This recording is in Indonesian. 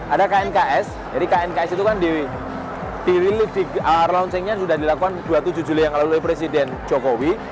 ada knks jadi knks itu kan di launchingnya sudah dilakukan dua puluh tujuh juli yang lalu oleh presiden jokowi